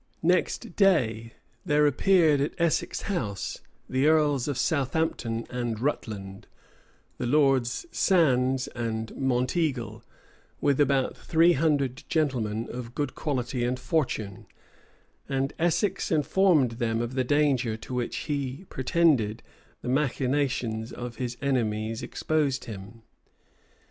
Next day, there appeared at Essex House the earls of Southampton and Rutland, the lords Sandys and Monteagle, with about three hundred gentlemen of good quality and fortune; and Essex informed them of the danger to which, he pretended, the machinations of his enemies exposed him.